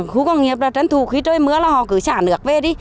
khu công nghiệp là trấn thủ khi trôi mưa là họ cứ xả nước về đi